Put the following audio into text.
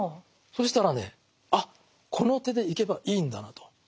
そしたらねあっこの手でいけばいいんだなと。